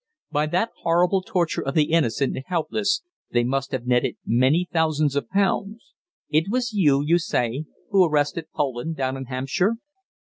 By that horrible torture of the innocent and helpless they must have netted many thousands of pounds." "It was you, you say, who arrested Poland down in Hampshire."